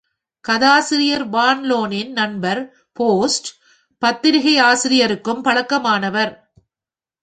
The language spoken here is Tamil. கதாசிரியர் வான் லோனின் நண்பர் போஸ்ட் பத்திரிகாசிரியருக்கும் பழக்கமானவர்.